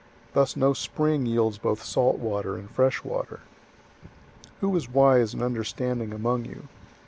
Thus no spring yields both salt water and fresh water. 003:013 Who is wise and understanding among you?